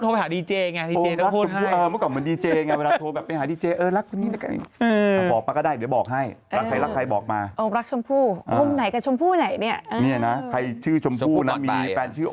เมื่อก่อนต้องโทรไปหาดีเจไงดีเจต้องพูดให้